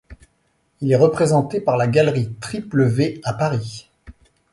Il est représenté par la Galerie Triple V à Paris.